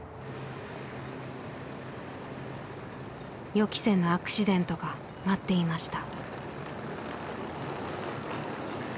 予期せぬアクシデントが待っていました。